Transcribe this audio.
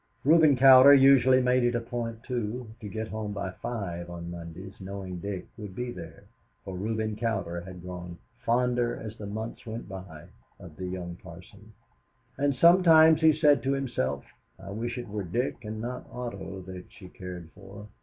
Reuben Cowder usually made it a point, too, to get home by five on Mondays, knowing Dick would be there, for Reuben Cowder had grown fonder as the months went by of the young parson, and sometimes he said to himself, "I wish it were Dick and not Otto that she cared for.